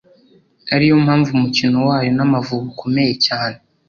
ariyo mpamvu umukino wayo n’Amavubi ukomeye cyane